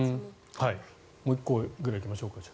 もう１個ぐらい行きましょうか。